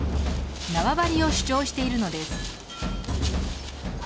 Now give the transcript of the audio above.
縄張りを主張しているのです。